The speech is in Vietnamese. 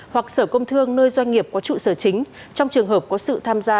hoặc sở công thương nơi doanh nghiệp có trụ sở chính trong trường hợp có sự tham gia